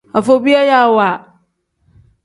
Afobiyayaawa.